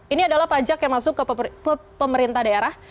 ini adalah pajak yang masuk ke pemerintah daerah